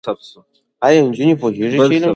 ایا نجونې پوهېږي چې علم شریکول د باور اړیکې ټینګوي؟